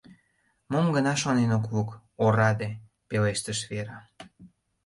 — Мом гына шонен ок лук, ораде, — пелештыш Вера.